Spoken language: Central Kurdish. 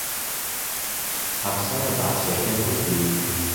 ئەفسەرە بەعسییەکە گوتی: